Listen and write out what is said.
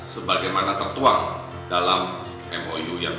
sebagaimana tertuang dalam mou yang baru tertangani